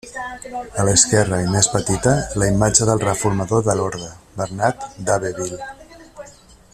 A l'esquerra i més petita, la imatge del reformador de l'orde, Bernat d'Abbeville.